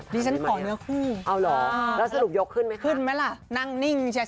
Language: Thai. ดิฉันขอเนื้อคู่ขึ้นไหมล่ะนั่งนิ่งช้า